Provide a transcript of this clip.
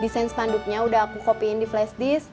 desain spanduknya udah aku copy in di flash disk